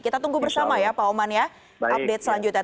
kita tunggu bersama ya pak oman ya update selanjutnya